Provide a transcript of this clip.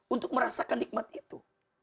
untuk merasakan nikmat itu